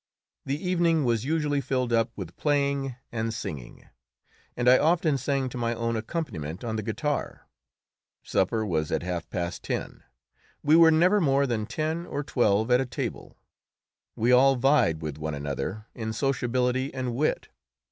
The evening was usually filled up with playing and singing, and I often sang to my own accompaniment on the guitar. Supper was at half past ten; we were never more than ten or twelve at table. We all vied with one another in sociability and wit.